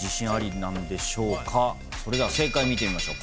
それでは正解見てみましょう。